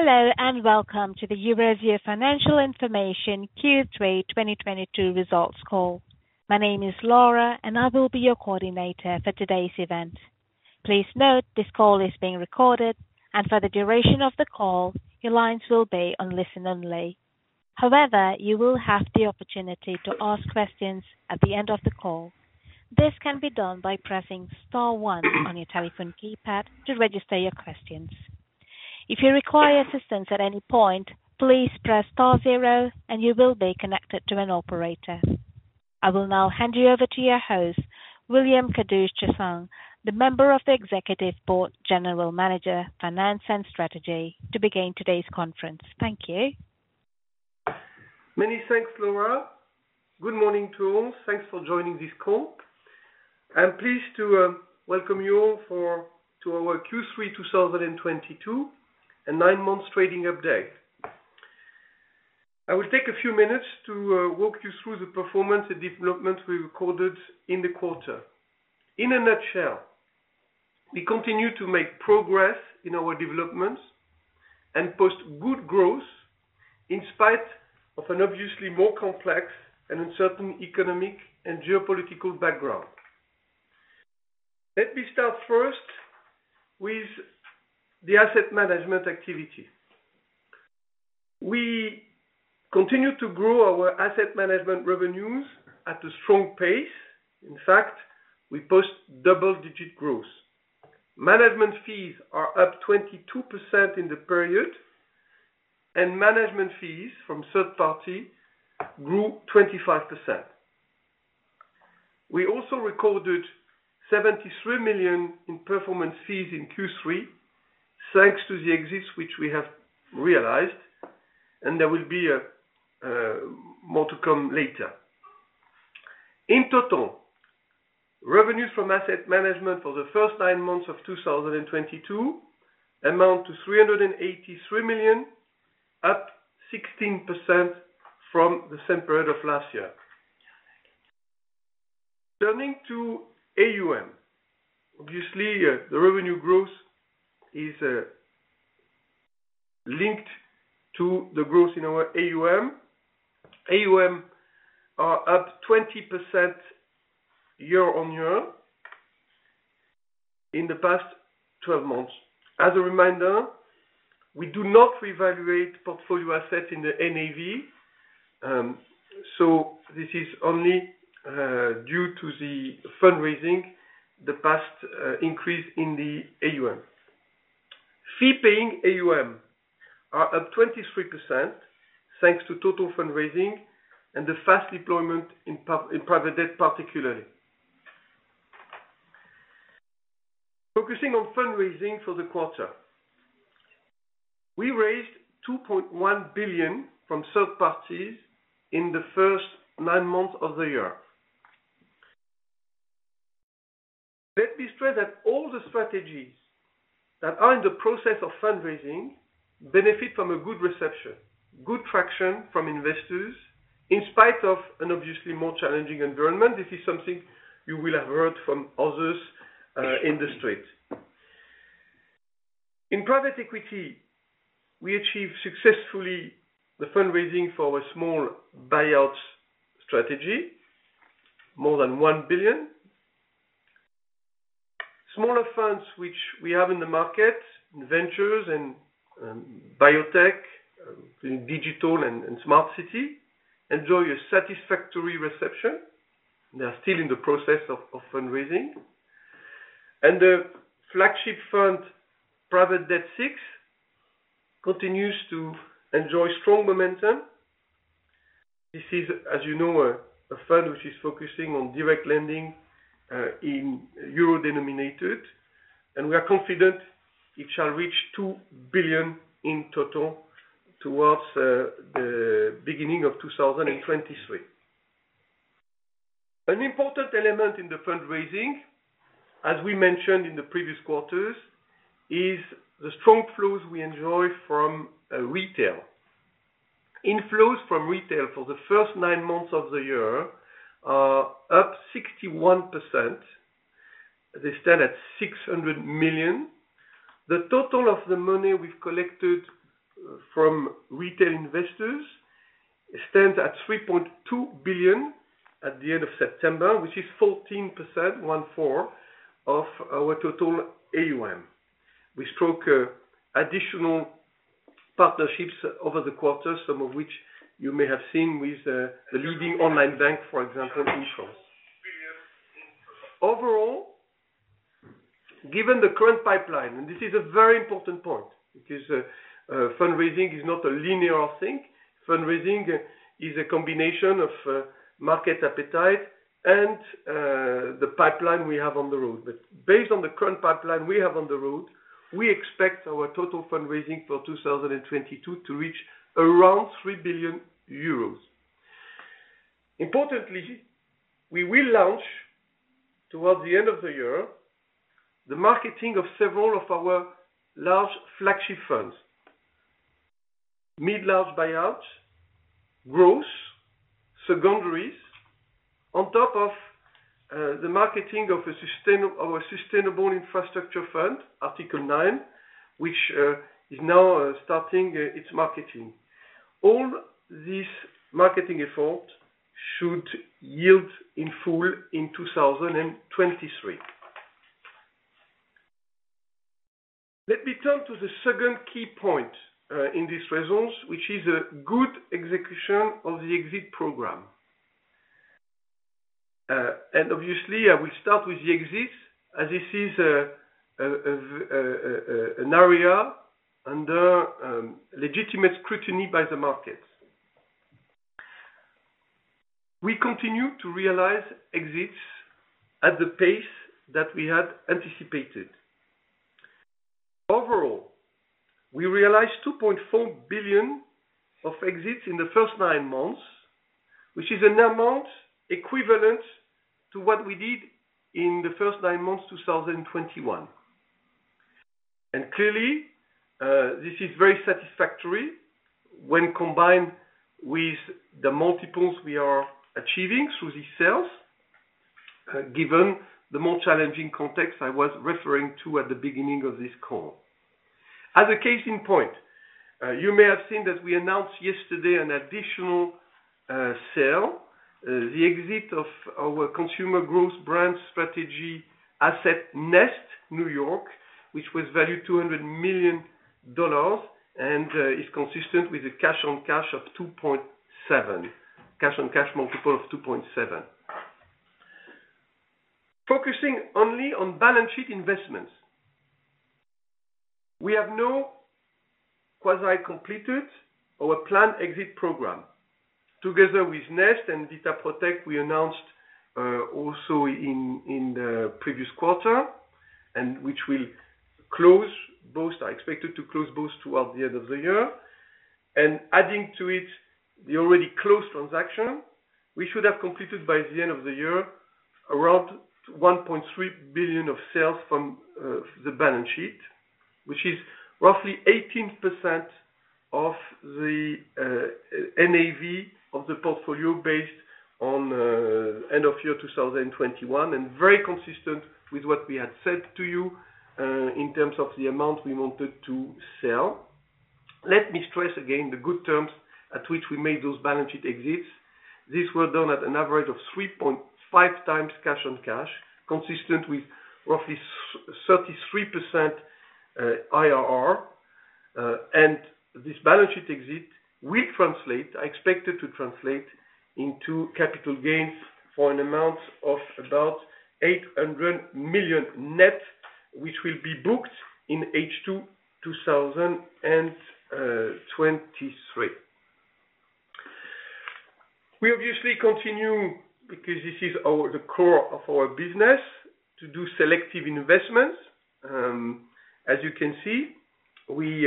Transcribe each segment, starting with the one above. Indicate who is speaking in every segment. Speaker 1: Hello, and welcome to the Eurazeo Financial Information Q3 2022 results call. My name is Laura, and I will be your coordinator for today's event. Please note this call is being recorded, and for the duration of the call, your lines will be on listen only. However, you will have the opportunity to ask questions at the end of the call. This can be done by pressing star one on your telephone keypad to register your questions. If you require assistance at any point, please press star zero and you will be connected to an operator. I will now hand you over to your host, William Kadouch-Chassaing, the Member of the Executive Board General Manager, Finance and Strategy, to begin today's conference. Thank you.
Speaker 2: Many thanks, Laura. Good morning to all. Thanks for joining this call. I am pleased to welcome you all to our Q3 2022 and nine months trading update. I will take a few minutes to walk you through the performance and development we recorded in the quarter. In a nutshell, we continue to make progress in our developments and post good growth in spite of an obviously more complex and uncertain economic and geopolitical background. Let me start first with the asset management activity. We continue to grow our asset management revenues at a strong pace. In fact, we post double-digit growth. Management fees are up 22% in the period, and management fees from third party grew 25%. We also recorded 73 million in performance fees in Q3, thanks to the exits which we have realized, and there will be more to come later. In total, revenue from asset management for the first nine months of 2022 amount to 383 million, up 16% from the same period of last year. Turning to AUM. Obviously, the revenue growth is linked to the growth in our AUM. AUM are up 20% year-on-year in the past 12 months. As a reminder, we do not revaluate portfolio assets in the NAV. So this is only due to the fundraising, the past increase in the AUM. Fee-Paying AUM are up 23% thanks to total fundraising and the fast deployment in private debt particularly. Focusing on fundraising for the quarter. We raised 2.1 billion from third parties in the first nine months of the year. Let me stress that all the strategies that are in the process of fundraising benefit from a good reception, good traction from investors in spite of an obviously more challenging environment. This is something you will have heard from others in the street. In private equity, we achieved successfully the fundraising for our small buyouts strategy, more than 1 billion. Smaller funds which we have in the market, in ventures and biotech, in digital and smart city, enjoy a satisfactory reception. They are still in the process of fundraising. And the flagship fund, Private Debt Six, continues to enjoy strong momentum. This is, as you know, a fund which is focusing on direct lending in euro-denominated, and we are confident it shall reach 2 billion in total towards the beginning of 2023. An important element in the fundraising, as we mentioned in the previous quarters, is the strong flows we enjoy from retail. Inflows from retail for the first nine months of the year are up 61%. They stand at 600 million. The total of the money we've collected from retail investors stands at 3.2 billion at the end of September, which is 14%, one-fourth, of our total AUM. We struck additional partnerships over the quarter, some of which you may have seen with the leading online bank, for example, Insurance. Overall, given the current pipeline, this is a very important point because fundraising is not a linear thing. Fundraising is a combination of market appetite and the pipeline we have on the road. Based on the current pipeline we have on the road, we expect our total fundraising for 2022 to reach around 3 billion euros. Importantly, we will launch towards the end of the year, the marketing of several of our large flagship funds. Mid-large buyouts, growth, secondaries. On top of the marketing of our sustainable infrastructure fund, Article 9, which is now starting its marketing. All this marketing effort should yield in full in 2023. Let me turn to the second key point in these results, which is a good execution of the exit program. Obviously, I will start with the exits, as this is an area under legitimate scrutiny by the market. We continue to realize exits at the pace that we had anticipated. Overall, we realized $2.4 billion of exits in the first nine months, which is an amount equivalent to what we did in the first nine months, 2021. Clearly, this is very satisfactory when combined with the multiples we are achieving through these sales, given the more challenging context I was referring to at the beginning of this call. As a case in point, you may have seen that we announced yesterday an additional sale. The exit of our consumer growth brand strategy asset, NEST New York, which was valued $200 million and is consistent with the cash on cash multiple of 2.7. Focusing only on balance sheet investments. We have now quasi completed our planned exit program. Together with NEST and Data Protect, we announced also in the previous quarter, which we'll close both, are expected to close both towards the end of the year. Adding to it the already closed transaction, we should have completed by the end of the year around $1.3 billion of sales from the balance sheet, which is roughly 18% of the NAV of the portfolio based on end of year 2021, and very consistent with what we had said to you, in terms of the amount we wanted to sell. Let me stress again the good terms at which we made those balance sheet exits. These were done at an average of 3.5 times cash on cash, consistent with roughly 33% IRR. This balance sheet exit will translate, are expected to translate, into capital gains for an amount of about $800 million net, which will be booked in H2 2023. We obviously continue, because this is the core of our business, to do selective investments. As you can see, we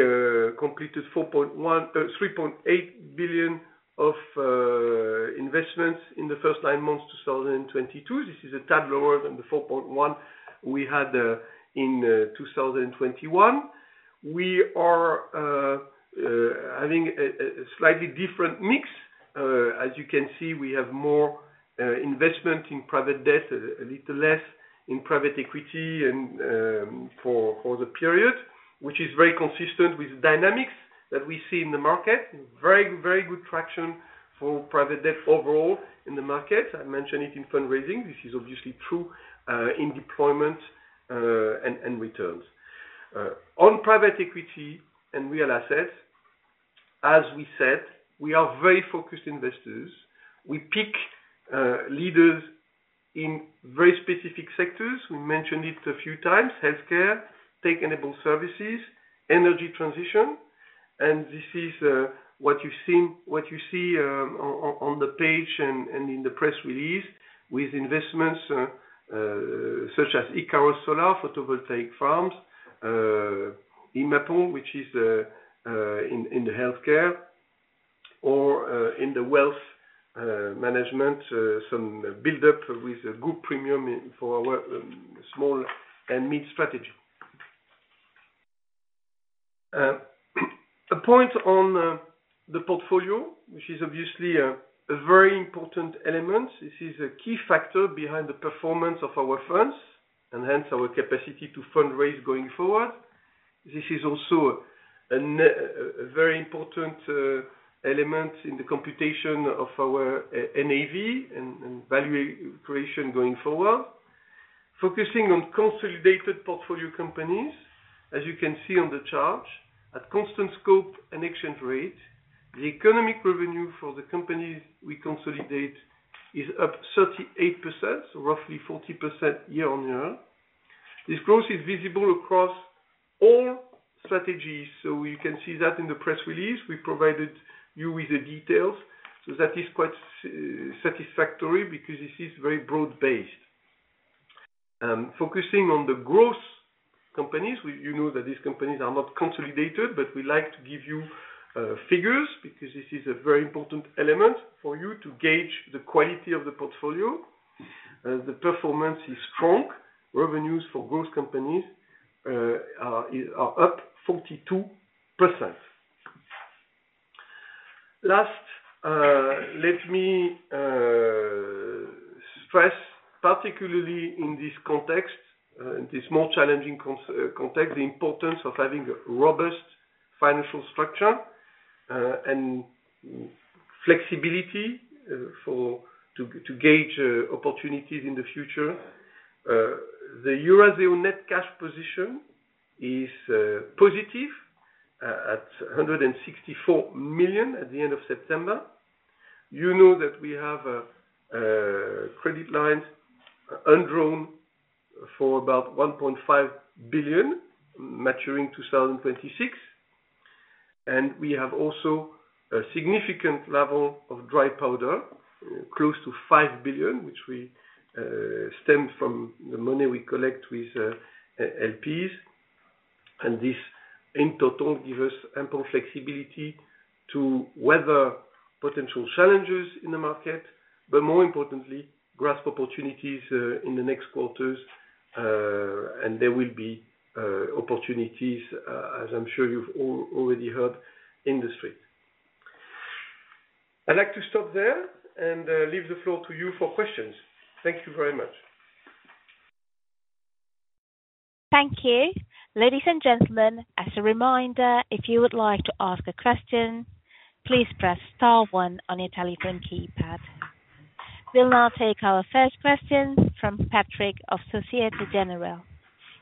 Speaker 2: completed $3.8 billion of investments in the first nine months, 2022. This is a tad lower than the 4.1 we had in 2021. We are having a slightly different mix. As you can see, we have more investment in private debt, a little less in private equity and for the period, which is very consistent with dynamics that we see in the market. Very good traction for private debt overall in the market. I mentioned it in fundraising. This is obviously true in deployment and returns. On private equity and real assets, as we said, we are very focused investors. We pick leaders in very specific sectors. We mentioned it a few times. Healthcare, tech-enabled services, energy transition. This is what you see on the page and in the press release with investments such as Ikaros Solar photovoltaic farms, IMAPRO, which is in the healthcare or in the wealth management, some build-up with a good premium for our small and mid-strategy. A point on the portfolio, which is obviously a very important element. This is a key factor behind the performance of our funds, and hence our capacity to fundraise going forward. This is also a very important element in the computation of our NAV and value creation going forward. Focusing on consolidated portfolio companies. As you can see on the chart, at constant scope and exchange rate, the economic revenue for the companies we consolidate is up 38%, roughly 40% year-over-year. This growth is visible across all strategies. You can see that in the press release. We provided you with the details. That is quite satisfactory because this is very broad-based. Focusing on the growth companies. You know that these companies are not consolidated, but we like to give you figures. This is a very important element for you to gauge the quality of the portfolio. The performance is strong. Revenues for growth companies are up 42%. Last, let me stress, particularly in this more challenging context, the importance of having a robust financial structure and flexibility to gauge opportunities in the future. The Eurazeo net cash position is positive at 164 million at the end of September. You know that we have a credit line undrawn for about 1.5 billion maturing 2026. We have also a significant level of dry powder, close to 5 billion, which stems from the money we collect with LPs. This in total gives us ample flexibility to weather potential challenges in the market, but more importantly, grasp opportunities in the next quarters. There will be opportunities, as I'm sure you've all already heard, in the street. I'd like to stop there and leave the floor to you for questions. Thank you very much.
Speaker 1: Thank you. Ladies and gentlemen, as a reminder, if you would like to ask a question, please press star 1 on your telephone keypad. We'll now take our first question from Patrick of Société Générale.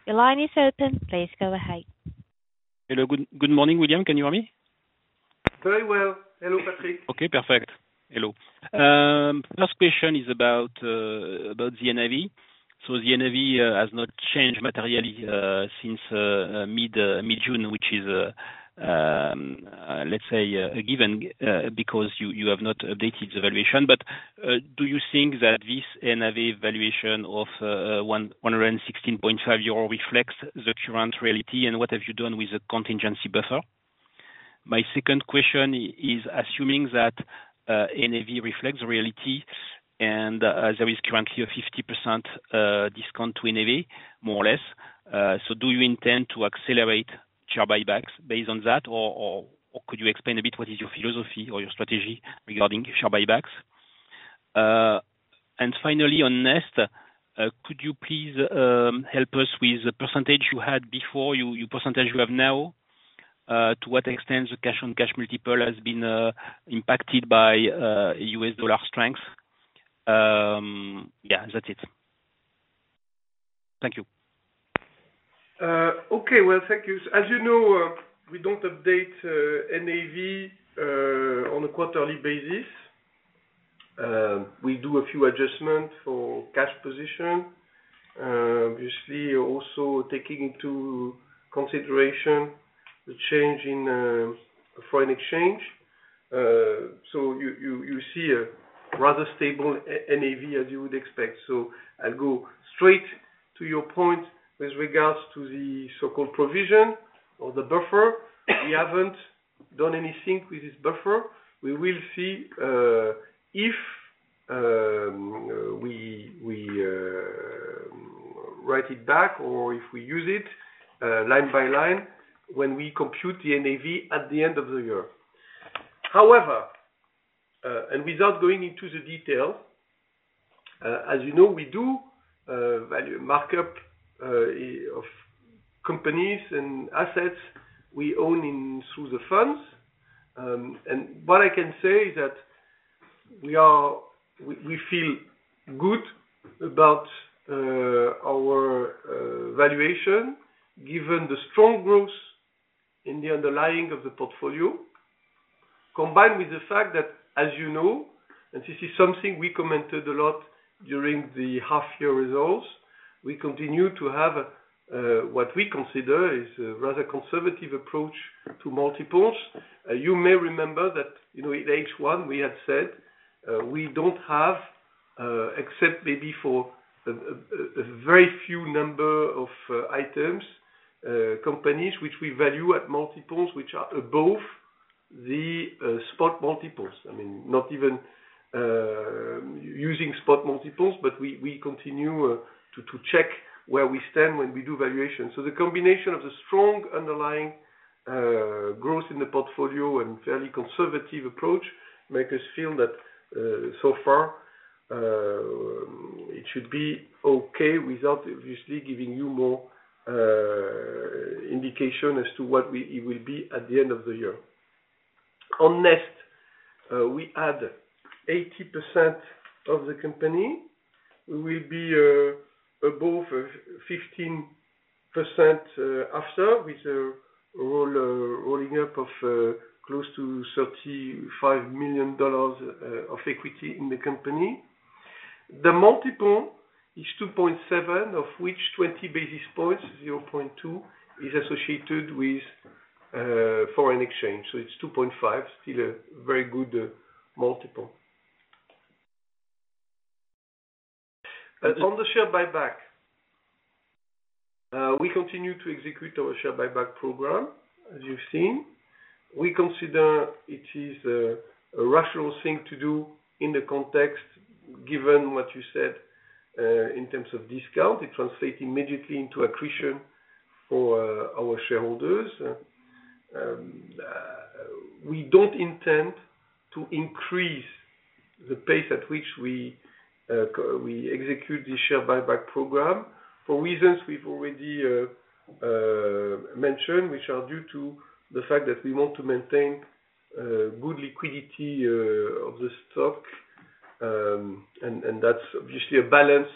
Speaker 1: Your line is open. Please go ahead.
Speaker 3: Hello. Good morning, William. Can you hear me?
Speaker 2: Very well. Hello, Patrick.
Speaker 3: Okay, perfect. Hello. First question is about the NAV. The NAV has not changed materially since mid-June, which is, let's say, a given, because you have not updated the valuation. Do you think that this NAV valuation of 116.5 euro reflects the current reality? What have you done with the contingency buffer? My second question is assuming that NAV reflects reality and there is currently a 50% discount to NAV, more or less. Do you intend to accelerate share buybacks based on that? Could you explain a bit what is your philosophy or your strategy regarding share buybacks? Finally, on NEST, could you please help us with the percentage you had before, your percentage you have now? To what extent the cash-on-cash multiple has been impacted by US dollar strength? That's it. Thank you.
Speaker 2: Okay. Well, thank you. As you know, we don't update NAV on a quarterly basis. We do a few adjustments for cash position, obviously also taking into consideration the change in foreign exchange. You see a rather stable NAV as you would expect. I'll go straight to your point with regards to the so-called provision or the buffer. We haven't done anything with this buffer. We will see if we write it back or if we use it line by line when we compute the NAV at the end of the year. However, without going into the detail, as you know, we do value markup of companies and assets we own in through the funds. What I can say is that we feel good about our valuation given the strong growth in the underlying of the portfolio, combined with the fact that as you know, this is something we commented a lot during the half-year results, we continue to have what we consider is a rather conservative approach to multiples. You may remember that in H1 we had said we don't have, except maybe for a very few number of items, companies which we value at multiples which are above the spot multiples. I mean, not even using spot multiples, we continue to check where we stand when we do valuations. The combination of the strong underlying growth in the portfolio and fairly conservative approach make us feel that so far it should be okay without obviously giving you more indication as to what it will be at the end of the year. On NEST, we add 80% of the company. We will be above 15% after with a rolling up of close to $35 million of equity in the company. The multiple is 2.7 of which 20 basis points, 0.2, is associated with foreign exchange. It's 2.5, still a very good multiple. On the share buyback, we continue to execute our share buyback program, as you've seen. We consider it is a rational thing to do in the context, given what you said in terms of discount. It translates immediately into accretion for our shareholders. We don't intend to increase the pace at which we execute the share buyback program for reasons we've already mentioned, which are due to the fact that we want to maintain good liquidity of the stock. That's obviously a balance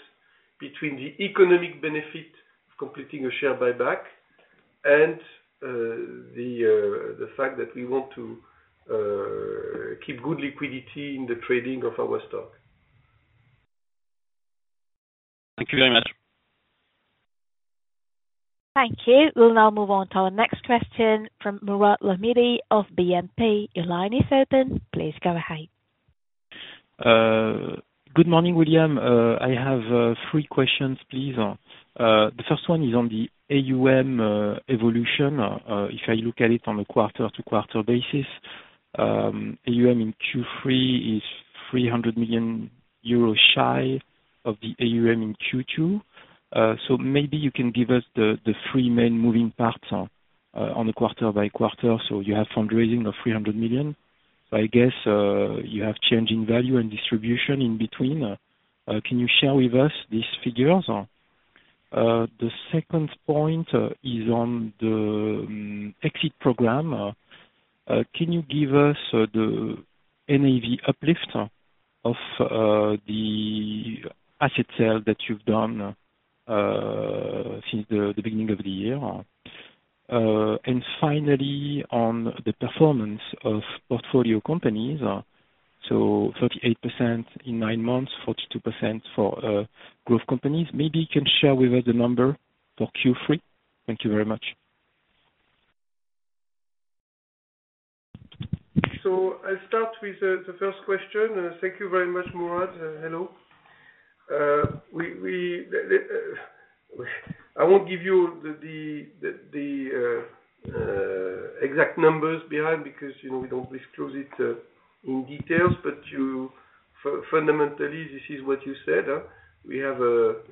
Speaker 2: between the economic benefit of completing a share buyback and the fact that we want to keep good liquidity in the trading of our stock.
Speaker 3: Thank you very much.
Speaker 1: Thank you. We'll now move on to our next question from Mourad Lahmidi of BNP Paribas. Your line is open. Please go ahead.
Speaker 4: Good morning, William. I have three questions, please. The first one is on the AUM evolution. If I look at it on a quarter-to-quarter basis, AUM in Q3 is 300 million euros shy of the AUM in Q2. Maybe you can give us the three main moving parts on the quarter-by-quarter. You have fundraising of 300 million. I guess you have change in value and distribution in between. Can you share with us these figures? The second point is on the exit program. Can you give us the NAV uplift of the asset sale that you've done since the beginning of the year? Finally, on the performance of portfolio companies. 38% in nine months, 42% for growth companies. Maybe you can share with us the number for Q3. Thank you very much.
Speaker 2: I'll start with the first question. Thank you very much, Mourad. Hello. I won't give you the exact numbers behind because we don't disclose it in details. Fundamentally, this is what you said. We have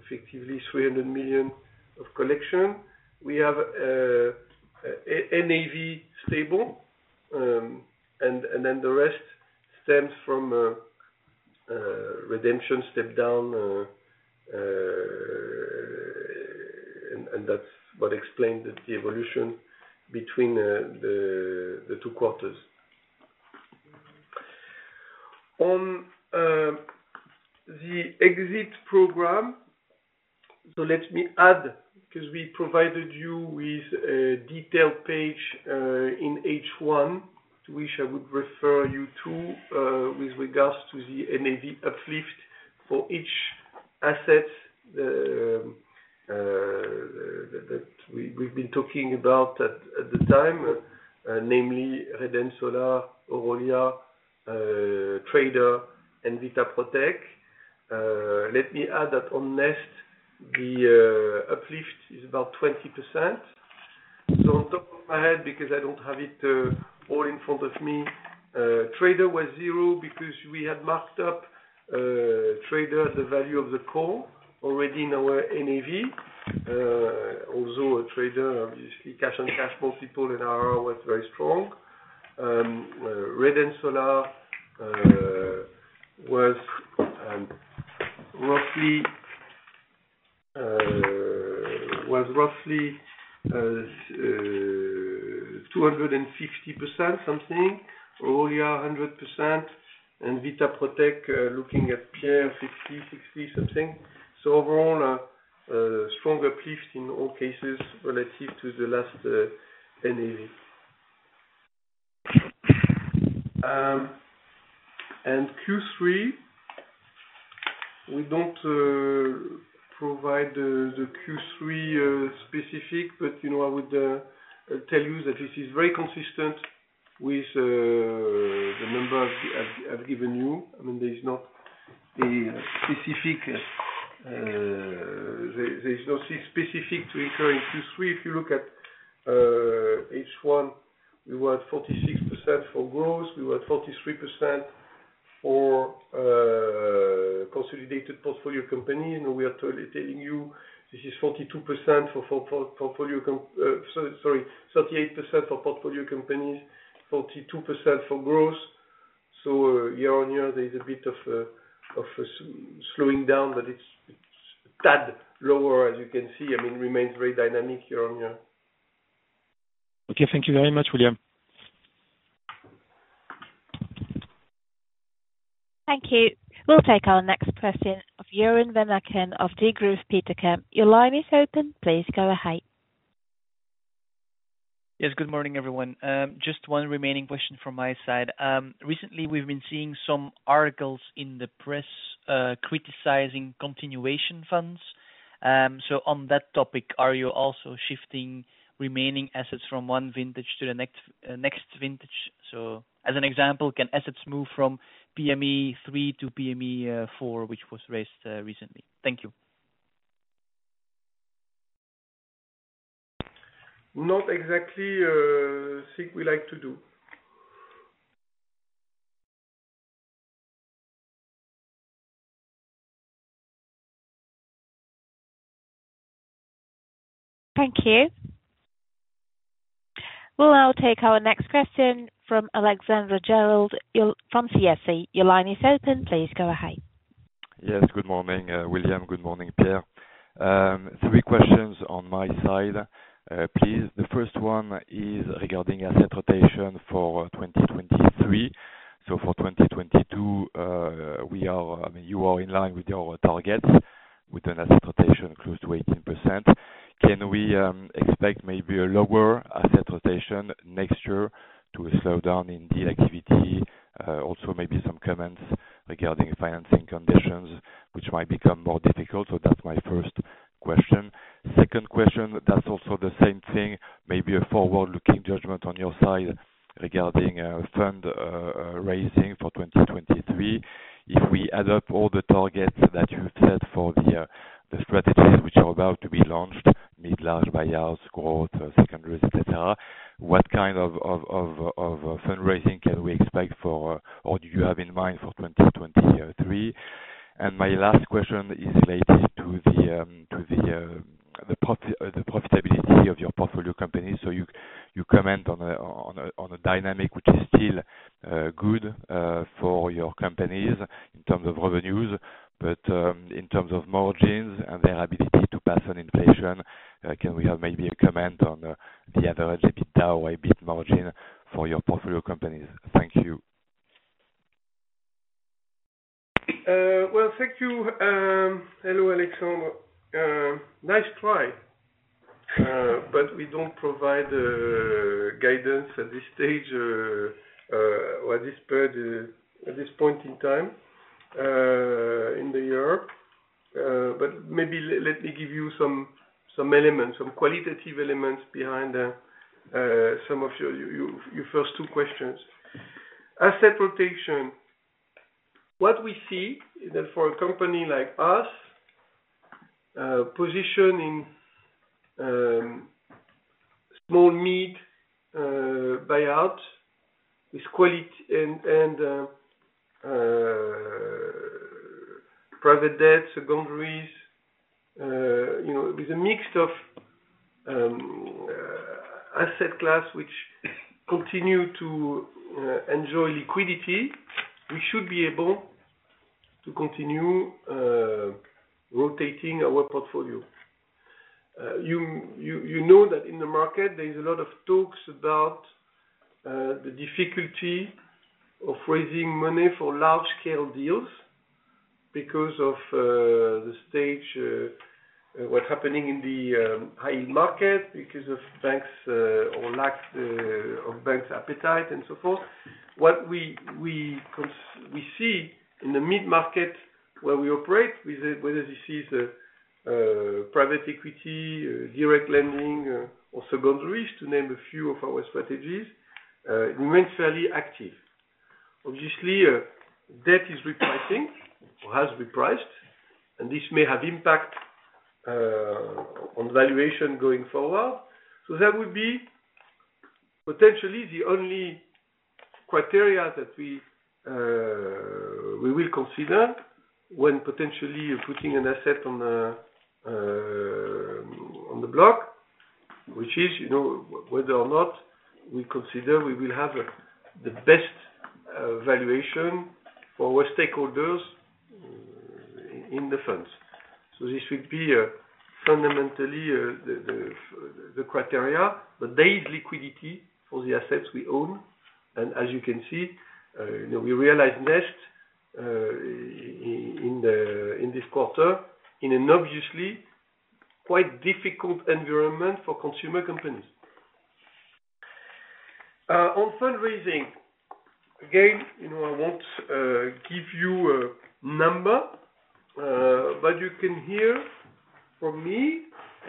Speaker 2: effectively 300 million of collection. We have NAV stable, the rest stems from a redemption step down. That's what explained the evolution between the two quarters. On the exit program, let me add, because we provided you with a detailed page in H1, to which I would refer you to with regards to the NAV uplift for each asset that we've been talking about at the time, namely Reden Solar, Orolia, Trader, and Vitaprotech. Let me add that on Nest, the uplift is about 20%. On top of my head, because I don't have it all in front of me, Trader was zero because we had marked up Trader at the value of the call already in our NAV. Trader, obviously, cash on cash multiple in IRR was very strong. Reden Solar was roughly 250% something. Orolia 100%, and Vitaprotech, looking at Pierre, 60 something. Overall, a strong uplift in all cases relative to the last NAV. Q3, we don't provide the Q3 specific, but I would tell you that this is very consistent with the numbers I've given you. There is nothing specific to incur in Q3. If you look at H1, we were at 46% for growth. We were at 43% for consolidated portfolio company. We are telling you this is 42% for portfolio Sorry, 38% for portfolio companies, 42% for growth. Year-on-year, there's a bit of a slowing down, but it's a tad lower, as you can see. It remains very dynamic year-on-year.
Speaker 4: Okay. Thank you very much, William.
Speaker 1: Thank you. We'll take our next question of Jeron van Aken of Degroof Petercam. Your line is open. Please go ahead.
Speaker 5: Yes. Good morning, everyone. Just one remaining question from my side. Recently, we've been seeing some articles in the press criticizing continuation funds. On that topic, are you also shifting remaining assets from one vintage to the next vintage? As an example, can assets move from PME III to PME IV, which was raised recently? Thank you.
Speaker 2: Not exactly a thing we like to do.
Speaker 1: Thank you. Well, I'll take our next question from Alexandre Gerard from CIC. Your line is open. Please go ahead.
Speaker 6: Yes. Good morning, William. Good morning, Pierre. Three questions on my side, please. The first one is regarding asset rotation for 2023. For 2022, you are in line with your target with an asset rotation close to 18%. Can we expect maybe a lower asset rotation next year due to a slowdown in deal activity? Also maybe some comments regarding financing conditions, which might become more difficult. That's my first question. Second question, that's also the same thing. Maybe a forward-looking judgment on your side regarding fundraising for 2023. If we add up all the targets that you've set for the strategies which are about to be launched, mid-large buyouts, growth, secondaries, et cetera, what kind of fundraising can we expect, or do you have in mind for 2023? My last question is related to the profitability of your portfolio company. You comment on a dynamic which is still good for your companies in terms of revenues. But in terms of margins and their ability to pass on inflation, can we have maybe a comment on the average EBITDA, EBIT margin for your portfolio companies? Thank you.
Speaker 2: Well, thank you. Hello, Alexandre. Nice try. We don't provide guidance at this stage or at this point in time in the year. Maybe let me give you some qualitative elements behind some of your first two questions. Asset rotation. What we see is that for a company like us, position in small/mid buyout with quality and private debt, secondaries. With a mix of asset class which continue to enjoy liquidity, we should be able to continue rotating our portfolio. You know that in the market, there is a lot of talks about the difficulty of raising money for large-scale deals because of the stage, what's happening in the high-end market because of banks or lack of banks' appetite and so forth. What we see in the mid-market where we operate, whether this is private equity, direct lending, or secondaries, to name a few of our strategies, remains fairly active. Obviously, debt is repricing or has repriced, and this may have impact on valuation going forward. That would be potentially the only criteria that we will consider when potentially putting an asset on the block, which is whether or not we consider we will have the best valuation for our stakeholders in the funds. This would be fundamentally the criteria. There is liquidity for the assets we own. As you can see, we realized NEST in this quarter in an obviously quite difficult environment for consumer companies. On fundraising, again, I won't give you a number, but you can hear from me,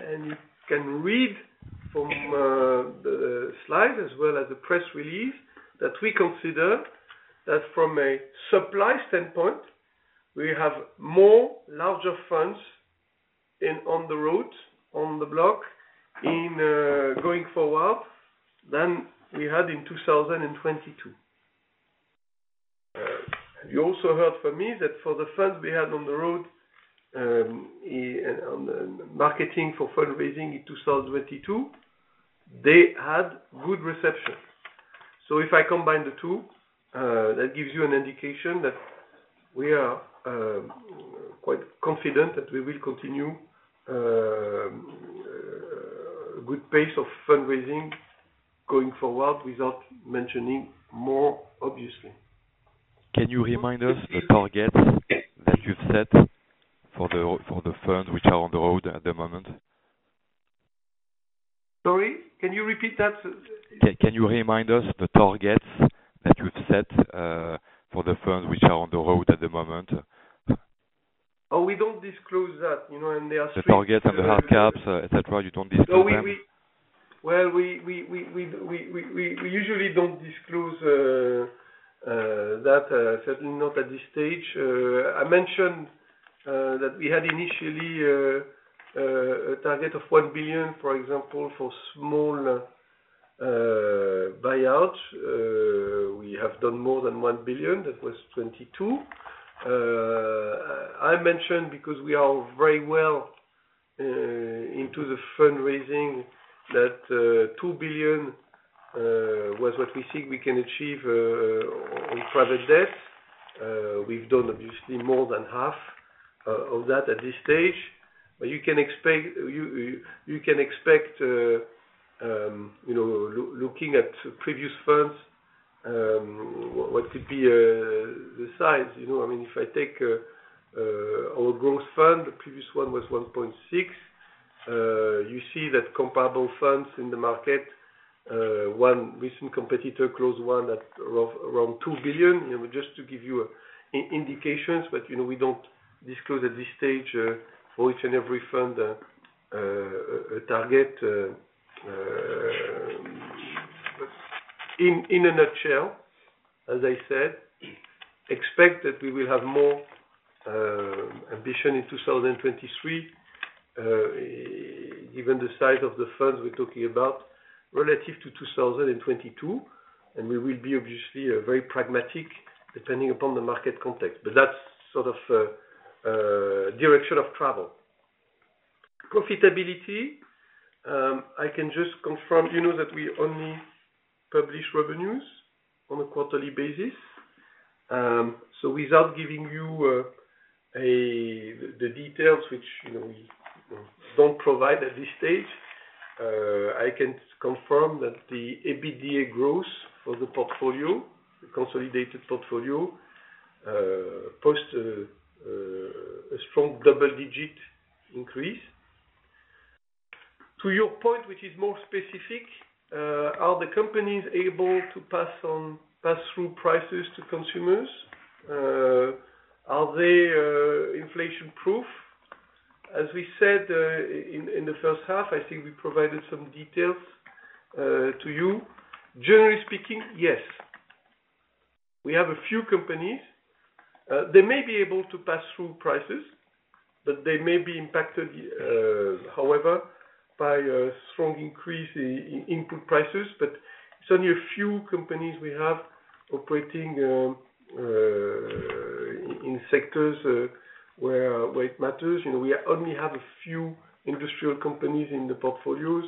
Speaker 2: and you can read from the slide as well as the press release that we consider that from a supply standpoint, we have more larger funds on the road, on the block going forward than we had in 2022. You also heard from me that for the funds we had on the road on marketing for fundraising in 2022, they had good receptions. If I combine the two, that gives you an indication that we are quite confident that we will continue good pace of fundraising going forward without mentioning more, obviously.
Speaker 6: Can you remind us the targets that you've set for the funds which are on the road at the moment?
Speaker 2: Sorry, can you repeat that?
Speaker 6: Can you remind us the targets that you've set for the funds which are on the road at the moment?
Speaker 2: We don't disclose that.
Speaker 6: The target and the hard caps, et cetera. You don't disclose them?
Speaker 2: Well, we usually don't disclose that, certainly not at this stage. I mentioned that we had initially a target of 1 billion, for example, for small buyouts. We have done more than 1 billion. That was 2022. I mentioned because we are very well into the fundraising that 2 billion was what we think we can achieve on private debt. We've done obviously more than half of that at this stage. You can expect, looking at previous firms, what could be the size. If I take our growth fund, the previous one was 1.6 billion. You see that comparable funds in the market, one recent competitor closed one at around 2 billion. Just to give you indications. We don't disclose at this stage for each and every fund a target. In a nutshell, as I said, expect that we will have more ambition in 2023, given the size of the funds we're talking about relative to 2022. We will be obviously very pragmatic depending upon the market context. That's sort of direction of travel. Profitability. I can just confirm that we only publish revenues on a quarterly basis. Without giving you the details, which we don't provide at this stage, I can confirm that the EBITDA growth for the portfolio, the consolidated portfolio, post a strong double-digit increase. To your point, which is more specific, are the companies able to pass through prices to consumers? Are they inflation-proof? As we said in the first half, I think we provided some details to you. Generally speaking, yes. We have a few companies. They may be able to pass through prices. They may be impacted, however, by a strong increase in input prices. It's only a few companies we have operating in sectors where it matters. We only have a few industrial companies in the portfolios.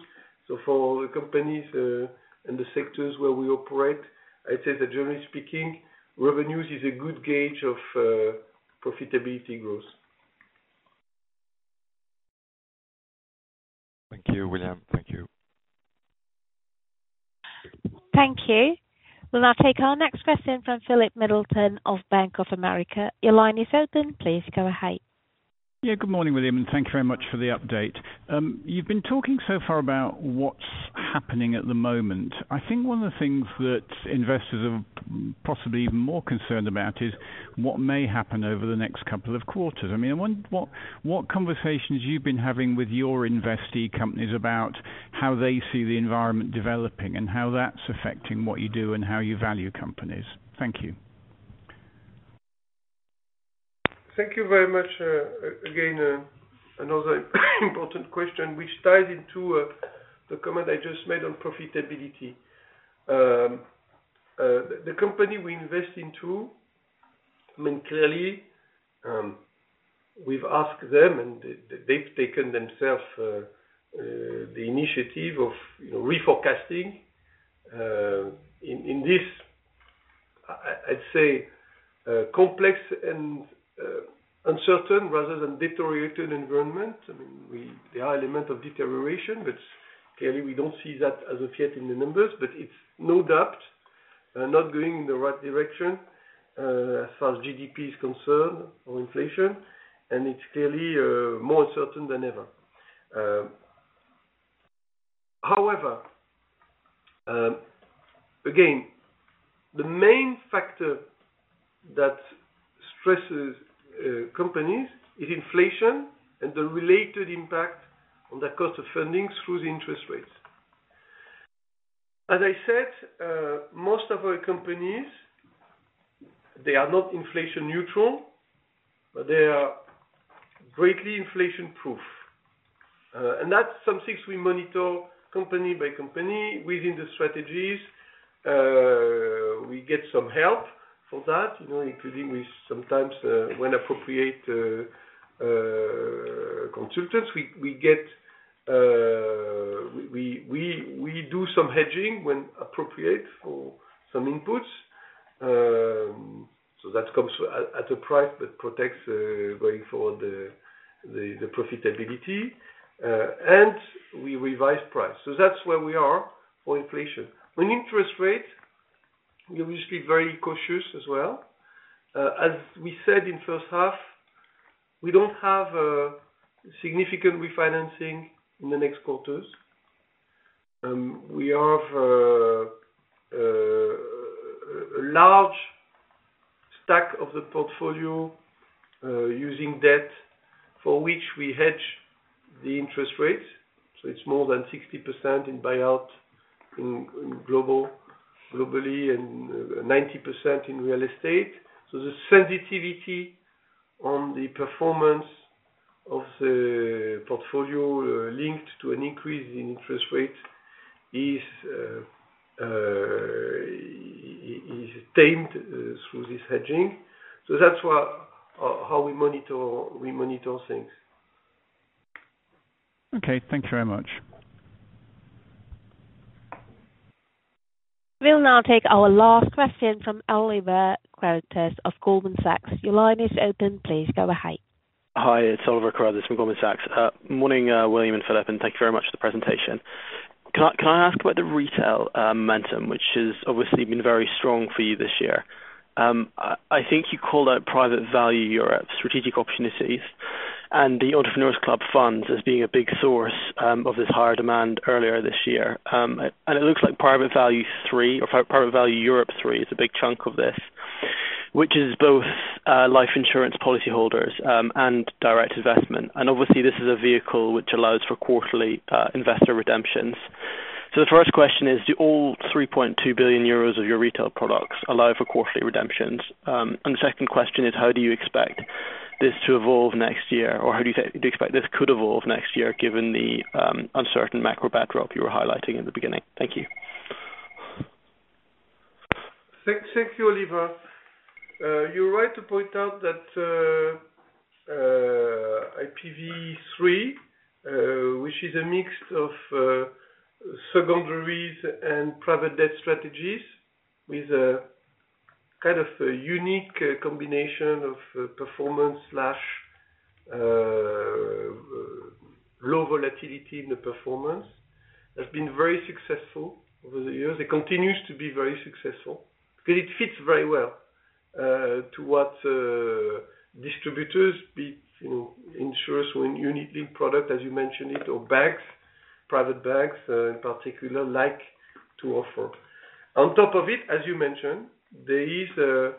Speaker 2: For the companies in the sectors where we operate, I'd say that generally speaking, revenues is a good gauge of profitability growth.
Speaker 6: Thank you, William. Thank you.
Speaker 1: Thank you. We'll now take our next question from Philip Middleton of Bank of America. Your line is open. Please go ahead.
Speaker 7: Yeah, good morning, William. Thank you very much for the update. You've been talking so far about what's happening at the moment. I think one of the things that investors are possibly even more concerned about is what may happen over the next couple of quarters. I wonder what conversations you've been having with your investee companies about how they see the environment developing and how that's affecting what you do and how you value companies. Thank you.
Speaker 2: Thank you very much. Again, another important question, which ties into the comment I just made on profitability. The company we invest into, clearly, we've asked them, and they've taken themself the initiative of reforecasting in this, I'd say, complex and uncertain rather than deteriorated environment. There are elements of deterioration, clearly we don't see that as of yet in the numbers, it's no doubt not going in the right direction as far as GDP is concerned or inflation, it's clearly more uncertain than ever. However, again, the main factor that stresses companies is inflation and the related impact on the cost of funding through the interest rates. As I said, most of our companies, they are not inflation neutral, but they are greatly inflation-proof. That's something we monitor company by company within the strategies. We get some help for that, including with sometimes, when appropriate, consultants. We do some hedging when appropriate for some inputs. That comes at a price that protects going forward the profitability. We revise price. That's where we are for inflation. On interest rates, we're usually very cautious as well. As we said in first half. We don't have a significant refinancing in the next quarters. We have a large stack of the portfolio using debt for which we hedge the interest rates. It's more than 60% in buyout globally and 90% in real estate. The sensitivity on the performance of the portfolio linked to an increase in interest rates is tamed through this hedging. That's how we monitor things.
Speaker 7: Okay, thank you very much.
Speaker 1: We'll now take our last question from Oliver Carruthers of Goldman Sachs. Your line is open. Please go ahead.
Speaker 8: Hi, it's Oliver Carruthers from Goldman Sachs. Morning, William and Philip, thank you very much for the presentation. Can I ask about the retail momentum, which has obviously been very strong for you this year? I think you called out private value, your strategic opportunities, and the Entrepreneurs Club funds as being a big source of this higher demand earlier this year. It looks like Eurazeo Private Value Europe 3 is a big chunk of this, which is both life insurance policyholders and direct investment. Obviously this is a vehicle which allows for quarterly investor redemptions. So the first question is, do all 3.2 billion euros of your retail products allow for quarterly redemptions? The second question is, how do you expect this to evolve next year? How do you expect this could evolve next year given the uncertain macro backdrop you were highlighting in the beginning? Thank you.
Speaker 2: Thank you, Oliver. You're right to point out that EPV III, which is a mix of secondaries and private debt strategies with a kind of unique combination of performance/low volatility in the performance, has been very successful over the years. It continues to be very successful because it fits very well to what distributors, be it insurers who need lead product as you mentioned it, or banks, private banks in particular, like to offer. On top of it, as you mentioned, there is a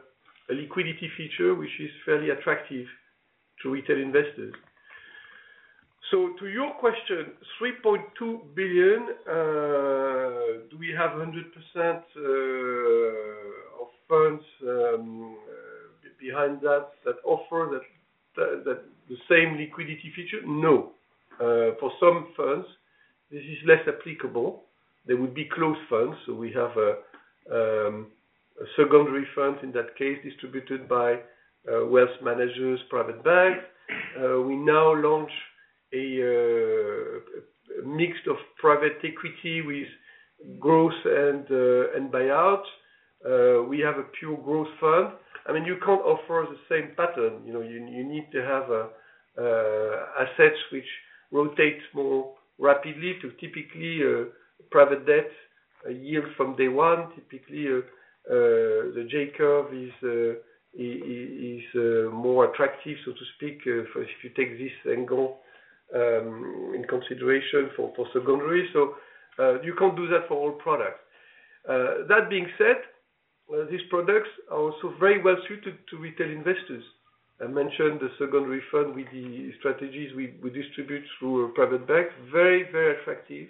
Speaker 2: liquidity feature which is fairly attractive to retail investors. To your question, 3.2 billion, do we have 100% of funds behind that offer the same liquidity feature? No. For some funds, this is less applicable. They would be closed funds. We have a secondary fund in that case distributed by wealth managers, private bank. We now launch a mix of private equity with growth and buyout. We have a pure growth fund. You can't offer the same pattern. You need to have assets which rotate more rapidly to typically private debt, a yield from day one. Typically, the J curve is more attractive, so to speak, if you take this angle in consideration for post secondary. You can't do that for all products. That being said, these products are also very well suited to retail investors. I mentioned the secondary fund with the strategies we distribute through a private bank. Very, very effective.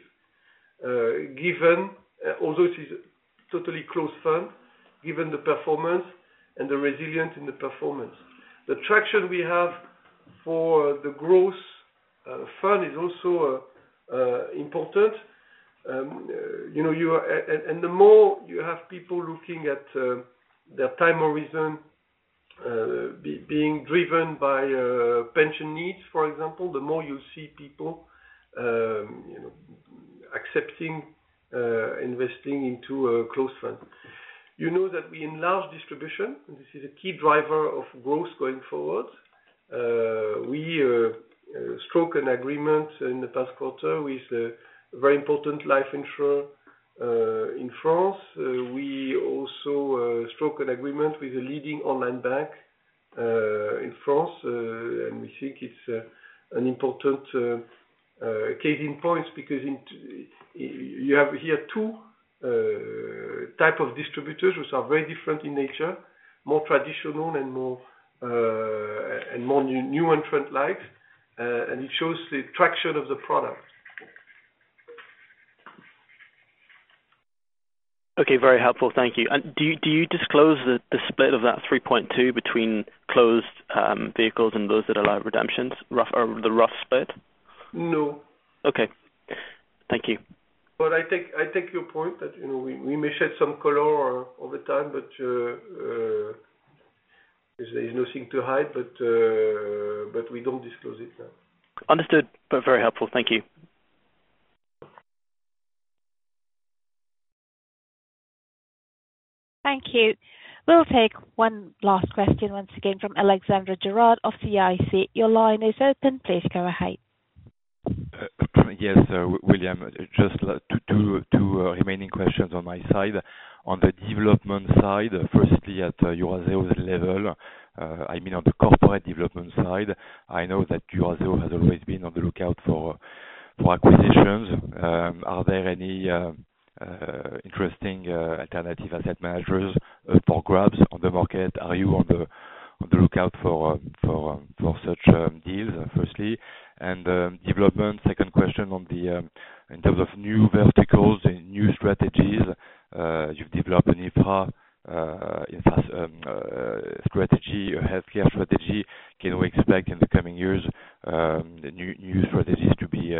Speaker 2: Although it is a totally closed fund, given the performance and the resilience in the performance. The traction we have for the growth fund is also important. The more you have people looking at their time horizon being driven by pension needs, for example, the more you see people accepting investing into a closed fund. You know that we enlarge distribution, and this is a key driver of growth going forward. We struck an agreement in the past quarter with a very important life insurer in France. We also struck an agreement with a leading online bank in France. And we think it's an important case in point because you have here two type of distributors which are very different in nature. More traditional and more new entrant-like, and it shows the traction of the product.
Speaker 8: Okay. Very helpful. Thank you. Do you disclose the split of that 3.2 between closed vehicles and those that allow redemptions? The rough split?
Speaker 2: No.
Speaker 8: Okay. Thank you.
Speaker 2: I take your point that we may shed some color over time, but there is nothing to hide. We don't disclose it now.
Speaker 8: Understood. Very helpful. Thank you.
Speaker 1: Thank you. We'll take one last question once again from Alexandre Gerard of CIC. Your line is open. Please go ahead.
Speaker 6: Yes, William, just two remaining questions on my side. On the development side, firstly, at Eurazeo level, I mean on the corporate development side, I know that Eurazeo has always been on the lookout for acquisitions. Are there any interesting alternative asset managers up for grabs on the market? Are you on the lookout for such deals, firstly? Development, second question, in terms of new verticals and new strategies, you've developed an Infra strategy, a healthcare strategy. Can we expect in the coming years new strategies to be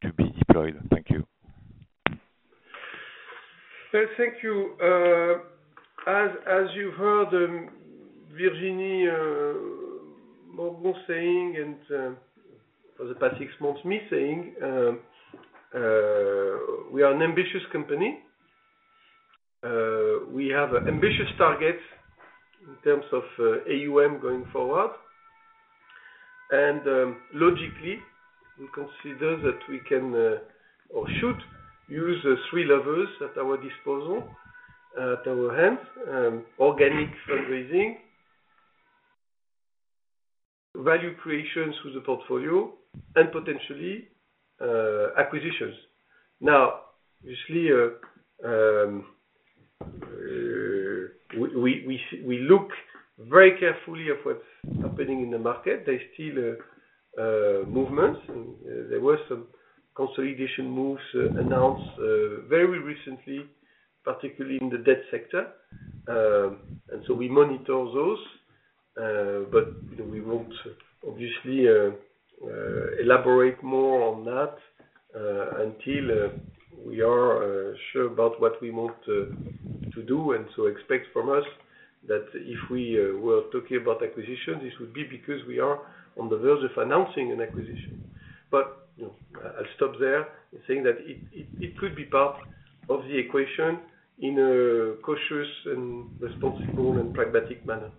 Speaker 6: deployed? Thank you.
Speaker 2: Thank you. As you heard Virginie Morgon saying, and for the past six months, me saying, we are an ambitious company. We have ambitious targets in terms of AUM going forward. Logically, we consider that we can or should use the three levers at our disposal, at our hands. Organic fundraising, value creation through the portfolio, and potentially acquisitions. Obviously, we look very carefully at what's happening in the market. There's still movements, and there were some consolidation moves announced very recently, particularly in the debt sector. We monitor those, but we won't obviously elaborate more on that until we are sure about what we want to do. Expect from us that if we were talking about acquisition, this would be because we are on the verge of announcing an acquisition. I'll stop there in saying that it could be part of the equation in a cautious and responsible and pragmatic manner.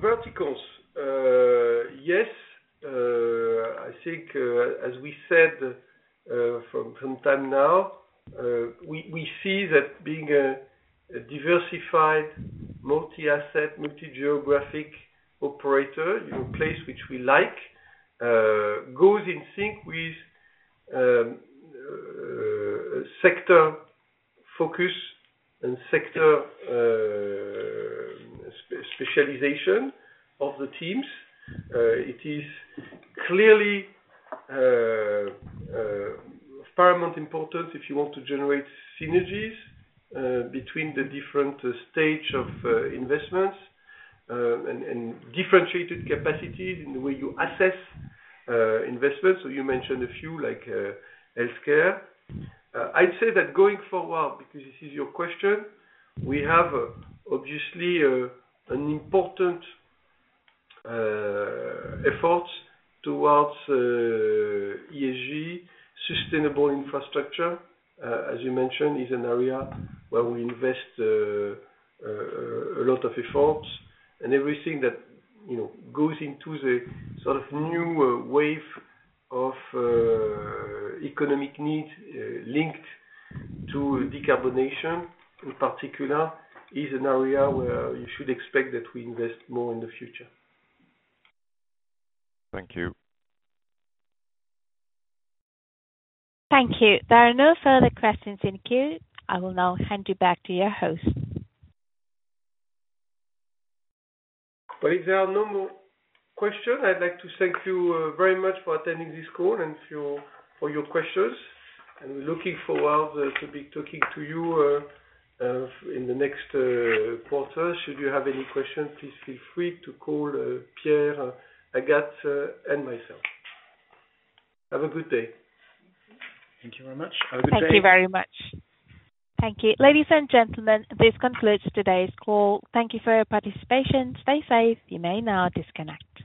Speaker 2: Verticals. Yes, I think as we said from time now, we see that being a diversified multi-asset, multi-geographic operator in place which we like, goes in sync with sector focus and sector specialization of the teams. It is clearly of paramount importance if you want to generate synergies between the different stage of investments and differentiated capacities in the way you assess investments. You mentioned a few like healthcare. I'd say that going forward, because this is your question, we have obviously an important effort towards ESG sustainable infrastructure, as you mentioned, is an area where we invest a lot of efforts. Everything that goes into the sort of new wave of economic need linked to decarbonation in particular, is an area where you should expect that we invest more in the future.
Speaker 6: Thank you.
Speaker 1: Thank you. There are no further questions in the queue. I will now hand you back to your host.
Speaker 2: Well, if there are no more questions, I'd like to thank you very much for attending this call and for your questions, and looking forward to be talking to you in the next quarter. Should you have any questions, please feel free to call Pierre, Agathe, and myself. Have a good day.
Speaker 6: Thank you very much. Have a good day.
Speaker 1: Thank you very much.
Speaker 2: Thank you.
Speaker 1: Ladies and gentlemen, this concludes today's call. Thank you for your participation. Stay safe. You may now disconnect.